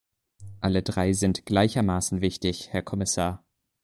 Alle drei sind gleichermaßen wichtig, Herr Kommissar.